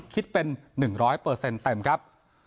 คิดเป็น๑๐๐เปอร์เซ็นต์เต็มครับ